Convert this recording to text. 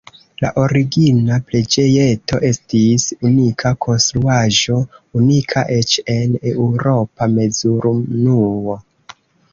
La origina preĝejeto estis unika konstruaĵo, unika eĉ en eŭropa mezurunuo.